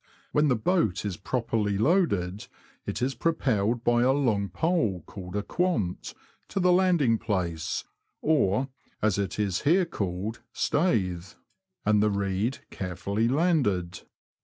When the boat is properly loaded, it 236 THE LAND OF THE BROADS. Is propelled by a long pole, called a '' quant," to the landing place — or, as it is here called, '' staithe "— and the reed carefully landed.